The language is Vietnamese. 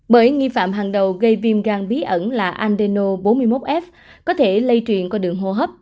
bởi nghi phạm hàng đầu gây viêm gan bí ẩn là andeno bốn mươi một f có thể lây truyền qua đường hô hấp